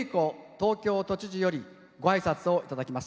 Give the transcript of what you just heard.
東京都知事よりごあいさつをいただきます。